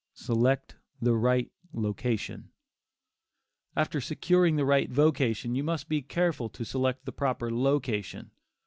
SELECT THE RIGHT LOCATION. After securing the right vocation, you must be careful to select the proper location.